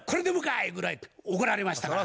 ゆうぐらい怒られましたから。